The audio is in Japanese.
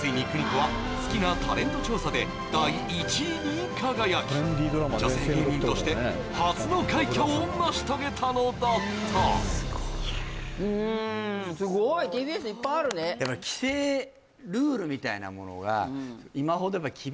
ついに邦子は好きなタレント調査で第１位に輝き女性芸人として初の快挙を成し遂げたのだったうんすごいＴＢＳいっぱいあるねえー